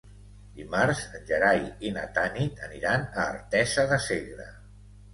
Dimarts en Gerai i na Tanit aniran a Artesa de Segre.